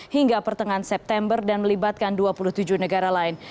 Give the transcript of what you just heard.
hingga pertengahan september dan melibatkan dua puluh tujuh negara lain